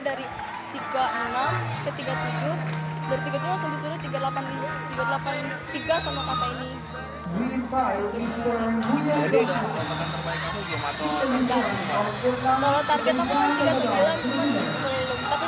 jadi itu adalah lompatan terbaik kamu sih atau